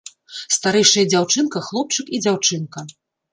Старэйшая дзяўчынка, хлопчык і дзяўчынка.